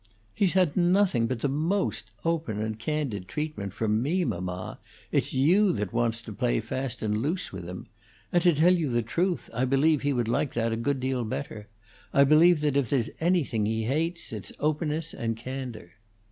"He's had nothing but the most open and candid treatment from me, mamma. It's you that wants to play fast and loose with him. And, to tell you the truth, I believe he would like that a good deal better; I believe that, if there's anything he hates, it's openness and candor."